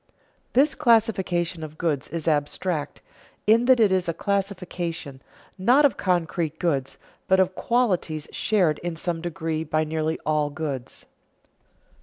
_This classification of goods is abstract, in that it is a classification, not of concrete goods, but of qualities shared in some degree by nearly all goods.